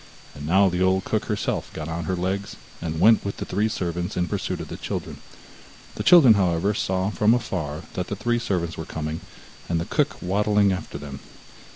And now the old cook herself got on her legs, and went with the three servants in pursuit of the children. The children, however, saw from afar that the three servants were coming, and the cook waddling after them.